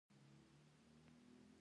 ستا یادیږي پوره شل وړاندي کلونه